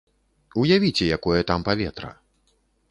Уявіце, якое там паветра.